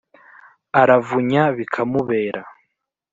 aravunya bikamubera